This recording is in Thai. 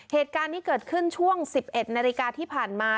เหตุการณ์นี้เกิดขึ้นช่วง๑๑นาฬิกาที่ผ่านมา